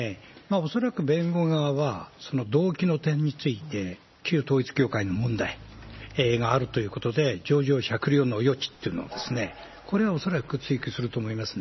恐らく弁護側はその動機の点について、旧統一教会の問題があるということで、情状酌量の余地っていうのを、これは恐らく追求すると思いますね。